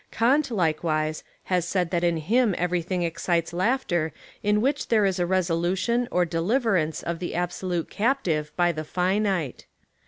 Kant, likewise, has said that in him everything excites laughter in which there is a resolution or deliverance of the absolute captive by the finite.